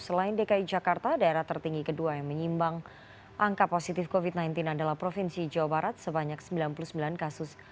selain dki jakarta daerah tertinggi kedua yang menyimbang angka positif covid sembilan belas adalah provinsi jawa barat sebanyak sembilan puluh sembilan kasus